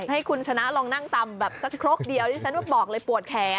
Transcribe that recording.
ให้คุณชนะลองนั่งตำแบบสักครกเดียวที่ฉันว่าบอกเลยปวดแขน